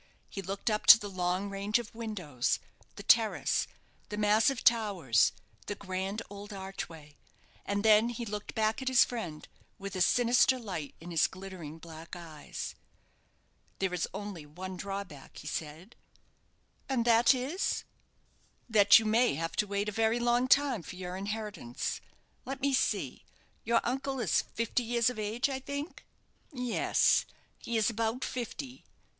He looked up to the long range of windows, the terrace, the massive towers, the grand old archway, and then he looked back at his friend, with a sinister light in his glittering black eyes. "There is only one drawback," he said. "And that is " "That you may have to wait a very long time for your inheritance. Let me see; your uncle is fifty years of age, I think?" "Yes; he is about fifty."